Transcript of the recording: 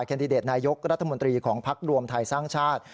แคนดิเดตนายกรัฐมหวันตรีของพรรครวมไทยสร้างชาติ